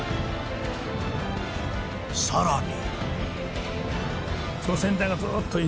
［さらに］